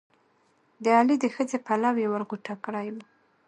د علي د ښځې پلو یې ور غوټه کړی وو.